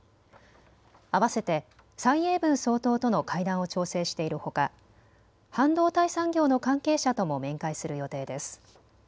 あわせて蔡英文総統との会談を調整しているほか半導体産業の関係者とも面会する予定です。